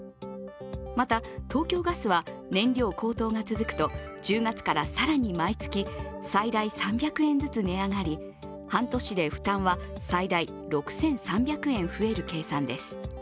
また、東京ガスは燃料高騰が続くと、１０月から更に毎月最大３００円ずつ値上がり、半年で負担は最大６３００円増える計算です。